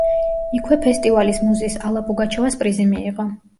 იქვე ფესტივალის მუზის ალა პუგაჩოვას პრიზი მიიღო.